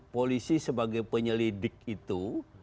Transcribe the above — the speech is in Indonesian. polisi sebagai penyelidik itu